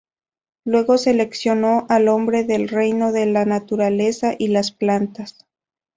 Luego seleccionó al Hombre del reino de la Naturaleza y las plantas.